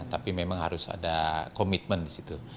tapi memang harus ada komitmen disitu